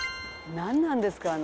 何なんですか